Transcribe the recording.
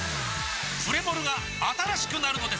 プレモルが新しくなるのです！